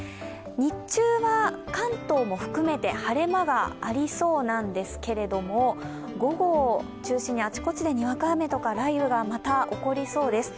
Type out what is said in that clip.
日中は関東も含めて晴れ間がありそうなんですけれども、午後を中心にあちこちでにわか雨とか雷雨がまた起こりそうです。